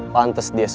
pantes dia semuanya